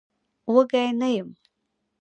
وږی نه يم.